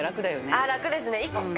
ああ、楽ですね、一回